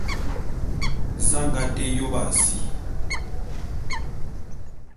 Za a nga té yôp a si?